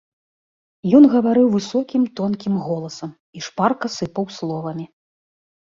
Ён гаварыў высокім, тонкім голасам і шпарка сыпаў словамі.